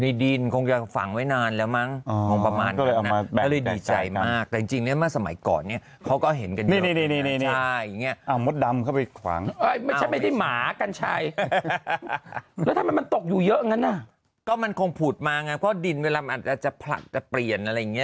ในดินก็อย่างฝั่งไว้นานแล้วมั้งมองประมาณก็เลยดีใจมากจริงนี่มาสมัยก่อนเนี่ย